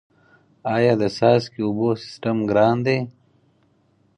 آیا د څاڅکي اوبو سیستم ګران دی؟